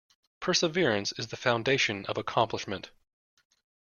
Perseverance is the foundation of accomplishment.